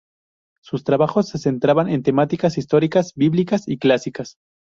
Sus trabajos se centraban en temáticas históricas, bíblicas y clásicas.